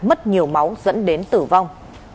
mất nhiều máu dẫn đến tử vong